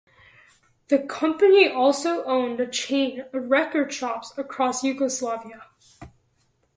The company also owned a chain of record shops across Yugoslavia.